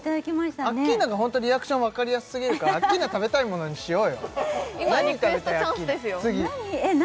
アッキーナがホントリアクション分かりやすすぎるからアッキーナ食べたいものにしようよえっ何？